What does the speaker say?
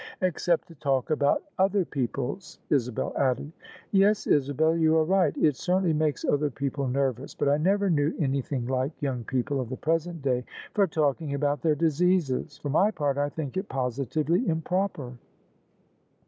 " Except to talk about other people's," Isabel added. "Yes, Isabella, you are right It certainly makes other people nervous. But I never knew anything like young people of the present day for talking about their diseases. For my part, I think it positively improper."